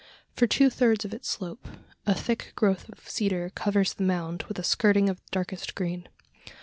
For two thirds of its slope, a thick growth of cedar covers the mound with a skirting of darkest green.